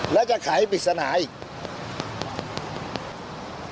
แล้วจะข่ายให้ปิดศนาอีก